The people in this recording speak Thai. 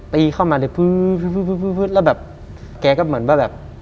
ตีเข้ามาเลยแบบแกก็เหมือนว่าแบบ